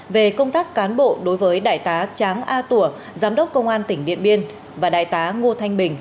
về công tác cán bộ đối với đại tá tráng a tủa giám đốc công an tỉnh điện biên và đại tá ngô thanh bình